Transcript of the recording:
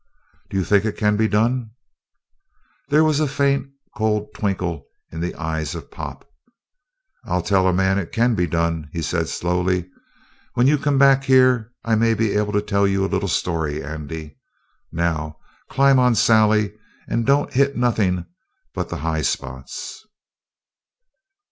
"D'you think it can be done?" There was a faint, cold twinkle in the eyes of Pop. "I'll tell a man it can be done," he said slowly. "When you come back here I may be able to tell you a little story, Andy. Now climb on Sally and don't hit nothin' but the high spots."